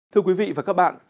thưa quý vị và các bạn